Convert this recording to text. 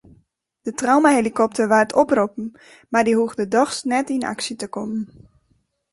De traumahelikopter waard oproppen mar dy hoegde dochs net yn aksje te kommen.